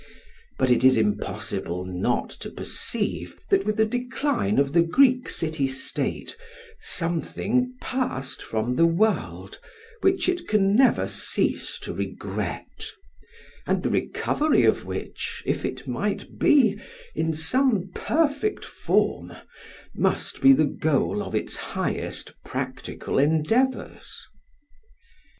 But it is impossible not to perceive that with the decline of the Greek city state something passed from the world which it can never cease to regret, and the recovery of which, if it might be, in some more perfect form, must be the goal of its highest practical endeavours.